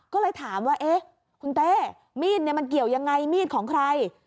ก็เลยถามว่าเอ๊ะคุณเต้มีดมันเกี่ยวยังไงมีดของใคร